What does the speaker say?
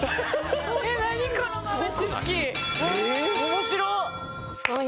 面白っ！